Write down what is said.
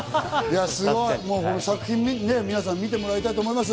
すごい！作品を皆さん、見てもらいたいと思います。